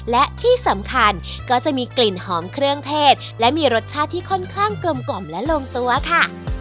และที่สำคัญก็จะมีกลิ่นหอมเครื่องเทศและมีรสชาติที่ค่อนข้างกลมกล่อมและลงตัวค่ะ